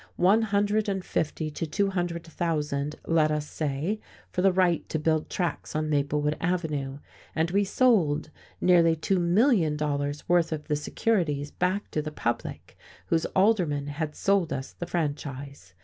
One hundred and fifty to two hundred thousand, let us say, for the right to build tracks on Maplewood Avenue, and we sold nearly two million dollars worth of the securities back to the public whose aldermen had sold us the franchise.